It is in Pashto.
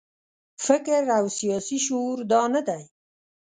فکر او سیاسي شعور دا نه دی.